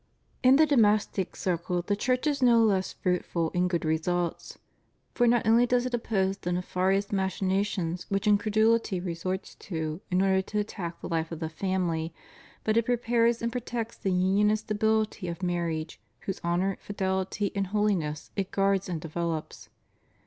In the domestic circle, the Church is no less fruitful in good results. For not only does it oppose the nefarious machinations which incredulity resorts to in order to attack the life of the family, but it prepares and protects the union and stability of marriage, whose honor, fidehty, and holiness it guards and develops.